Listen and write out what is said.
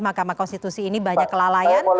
mahkamah konstitusi ini banyak kelalaian